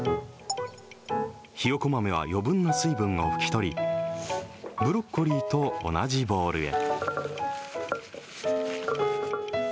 ひよこ豆は余分な水分を拭き取り、ブロッコリーと同じボウルへ。